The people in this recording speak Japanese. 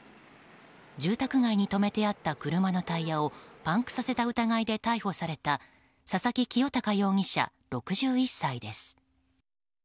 住宅街に止めてあった車のタイヤをパンクさせた疑いで逮捕された佐々木清隆容疑者、６１歳です。